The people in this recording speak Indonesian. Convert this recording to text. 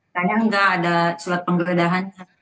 dia tanya enggak ada sulat penggeledahannya